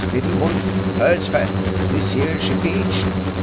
Little wolf. Herds fat. This year—she peach!"